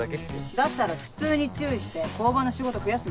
だったら普通に注意して交番の仕事増やすな。